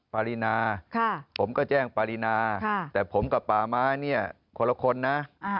ปารีนาผมก็แจ้งปารีนาแต่ผมกับป่าไม้เนี่ยคนละคนนะ